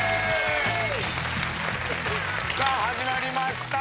さあ始まりました。